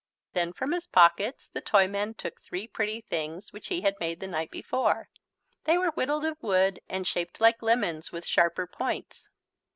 Then from his pockets the Toyman took three pretty things which he had made the night before. They were whittled of wood and shaped like lemons with sharper points.